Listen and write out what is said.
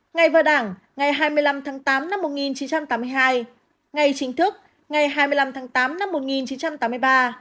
ngày vào đảng ngày hai mươi năm tháng tám năm một nghìn chín trăm tám mươi hai ngày chính thức ngày hai mươi năm tháng tám năm một nghìn chín trăm tám mươi ba